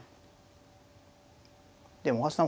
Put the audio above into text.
でも大橋さん